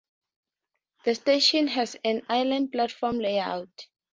The station has an island platform layout.